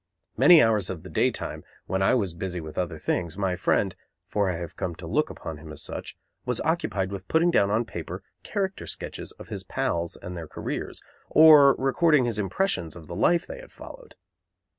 Many hours of the day time, when I was busy with other things, my friend for I have come to look upon him as such was occupied with putting down on paper character sketches of his pals and their careers, or recording his impressions of the life they had followed.